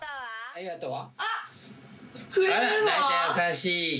・ありがとう。